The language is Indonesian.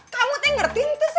kamu tidak mengerti itu sih